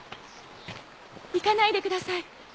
行かないでください。